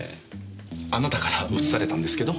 あなたからうつされたんですけど。